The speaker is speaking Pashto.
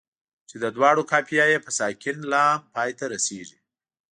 چې دواړو قافیه یې په ساکن لام پای ته رسيږي.